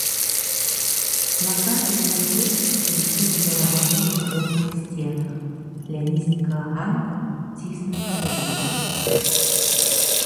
Плакаты і абвесткі віселі на яго новых жоўтых сценах, ля нізенькага ганка ціснуліся людзі.